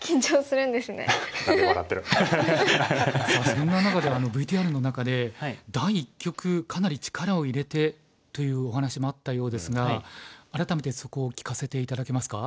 そんな中でＶＴＲの中で第一局かなり力を入れてというお話もあったようですが改めてそこを聞かせて頂けますか？